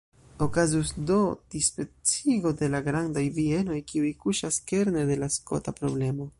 Okazus do dispecigo de la grandaj bienoj, kiuj kuŝas kerne de la skota problemo.